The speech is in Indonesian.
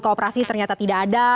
operasi ternyata tidak ada